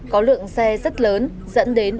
có lượng xe rất lớn dẫn đến